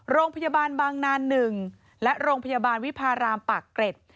โรงพยาบาลบางนาน๑และโรงพยาบาลวิพารามปากเกร็ด